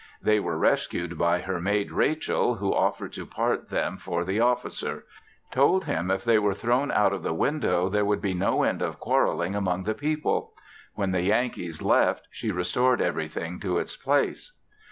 They were rescued by her maid Rachel who offered to part them for the officer; told him if they were thrown out of the window there would be no end of quarreling among the people. When the Yankees left she restored everything to its place.